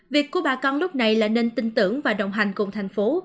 việc của bà con lúc này là nên tin tưởng và đồng hành cùng thành phố